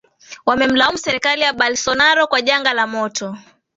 wamemlaumu serikali ya Bolsonaro kwa janga la moto